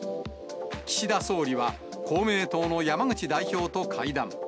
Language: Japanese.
岸田総理は公明党の山口代表と会談。